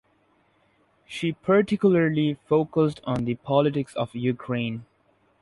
She particularly focused on the politics of Ukraine.